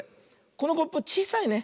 このコップちいさいね。